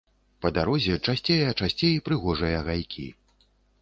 Па дарозе часцей а часцей прыгожыя гайкі.